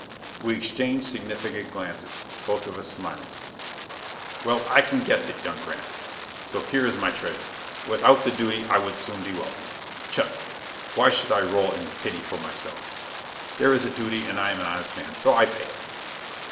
We exchanged significant glances, both of us smiling. "Well can I guess it, young Grant. So here is my treasure. Without the duty I would soon be wealthy. Chut! Why should I roll in a pity for myself? There is a duty and I am an honest man, so I pay it."